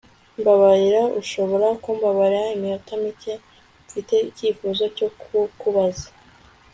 Mbabarira ushobora kumbabarira iminota mike Mfite icyifuzo cyo kukubaza